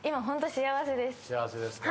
幸せですか。